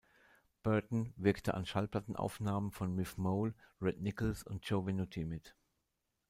Berton wirkte an Schallplattenaufnahmen von Miff Mole, Red Nichols und Joe Venuti mit.